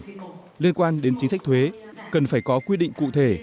tuy nhiên liên quan đến chính sách thuế cần phải có quy định cụ thể